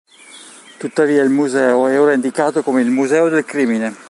Tuttavia il museo è ora indicato come il "Museo del Crimine".